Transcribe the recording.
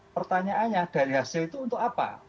pertanyaannya dari hasil itu untuk apa